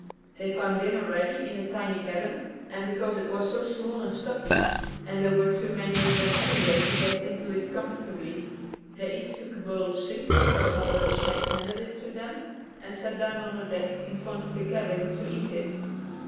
They found dinner ready in the tiny cabin, and because it was so small and stuffy, and there were too many of them, anyway, to get into it comfortably, they each took a bowl of soup as Mother De Smet handed it to them and sat down on the deck in front of the cabin to eat it.